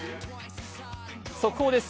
速報です。